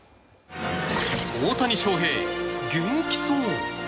大谷翔平、元気そう。